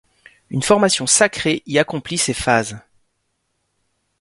Une formation sacrée y accomplit ses phases.